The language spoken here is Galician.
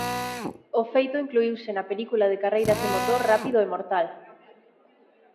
O feito incluíuse na película de carreiras de motor "Rápido e mortal".